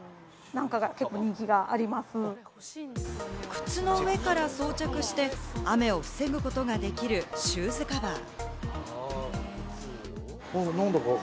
靴の上から装着して、雨を防ぐことができるシューズカバー。